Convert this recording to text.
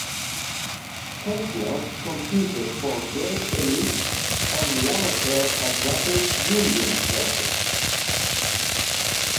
Kessler competed for Game Elite on the Amateur Athletic Union circuit.